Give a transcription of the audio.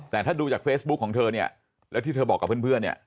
แต่ถ้าดูจากเฟซบุ๊คของเธอเนี่ยแล้วที่เธอบอกกับเพื่อนเนี่ย